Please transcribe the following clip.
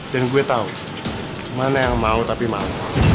dan gue tahu mana yang mau tapi malu